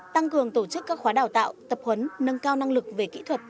tăng cường tổ chức các khóa đào tạo tập huấn nâng cao năng lực về kỹ thuật